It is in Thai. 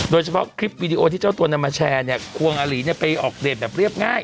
โดยเฉพาะคลิปวีดีโอที่เจ้าตัวนำมาแชร์เนี่ยควงอาหลีเนี่ยไปออกเดทแบบเรียบง่าย